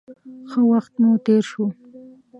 ښه وخت مو تېر شو.